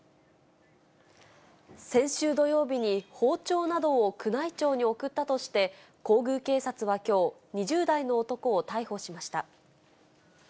先週土曜日に、包丁などを宮内庁に送ったとして、皇宮警察はきょう、２０代の男を逮捕しました。